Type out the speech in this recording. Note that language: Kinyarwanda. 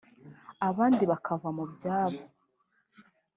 abandi bakava mu byabo